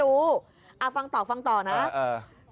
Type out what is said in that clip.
คุณผู้ชมถามมาในไลฟ์ว่าเขาขอฟังเหตุผลที่ไม่ให้จัดอีกที